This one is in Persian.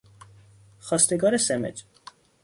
خواستگار سمج